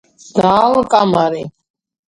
და ალ კამარი...